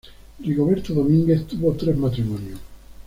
Rigoberto Domínguez tuvo tres matrimonios.